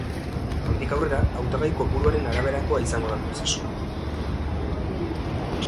Handik aurrera, hautagai kopuruaren araberakoa izango da prozesua.